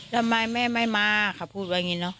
ทำไมแม่ไม่มาเขาพูดว่าอย่างนี้เนอะ